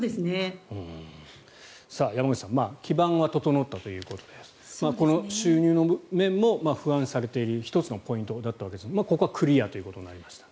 山口さん基盤は整ったということでこの収入の面も不安視されている１つのポイントだったわけですがここはクリアということになりました。